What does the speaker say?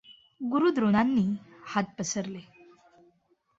गुरू द्रोणांनी हात पसरले.